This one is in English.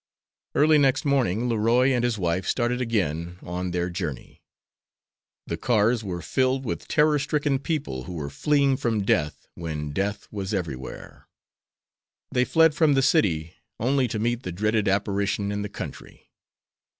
Early next morning Leroy and his wife started again on their journey. The cars were filled with terror stricken people who were fleeing from death, when death was everywhere. They fled from the city only to meet the dreaded apparition in the country.